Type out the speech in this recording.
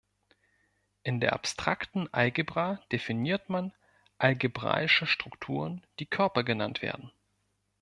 In der abstrakten Algebra definiert man algebraische Strukturen, die Körper genannt werden.